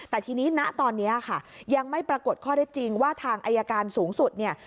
แต่ทีนี้ณตอนนี้ค่ะยังไม่ปรากฏข้อได้จริงว่าทางอายการสูงสุดเนี่ย